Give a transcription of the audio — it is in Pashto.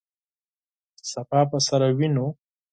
سبا به سره ووینو!